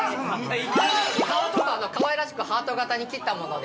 かわいらしくハート形に切ったもので。